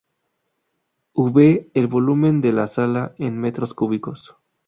V el volumen de la sala en metros cúbicos.